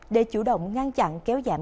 để chủ động ngăn chặn kéo giảm